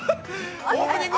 オープニング